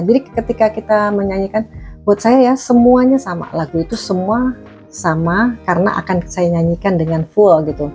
jadi ketika kita menyanyikan buat saya ya semuanya sama lagu itu semua sama karena akan saya nyanyikan dengan full gitu